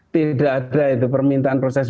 tidak ada itu permintaan proses